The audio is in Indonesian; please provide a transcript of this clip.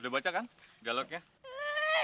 udah baca kan dialognya